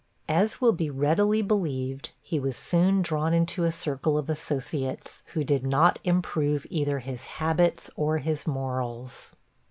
As will be readily believed, he was soon drawn into a circle of associates who did not improve either his habits or his morals.